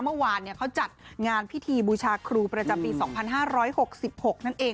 เมื่อวานเนี้ยเขาจัดงานพิธีบูชาครูประจำปีสองพันห้าร้อยหกสิบหกนั่นเอง